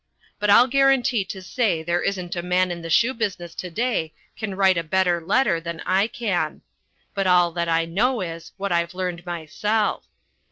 But I'll guarantee to say there isn't a man in the shoe business to day can write a better letter than I can. But all that I know is what I've learned myself.